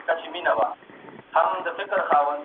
سره لمبه به دا ښارونه دا وطن وي